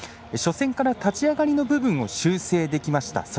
初戦から立ち上がりの部分を修正できました。